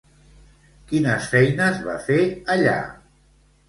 Quines feines va fer allà?